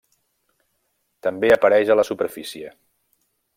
També apareix a la superfície.